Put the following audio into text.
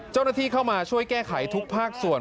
เจ้าหน้าที่เข้ามาช่วยแก้ไขทุกภาคส่วน